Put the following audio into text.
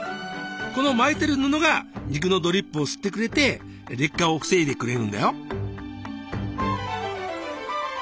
この巻いてる布が肉のドリップを吸ってくれて劣化を防いでくれるんだよ。